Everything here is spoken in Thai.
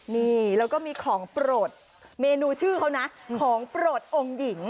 นี่แล้วก็มีของโปรดเมนูชื่อเขานะของโปรดองค์หญิง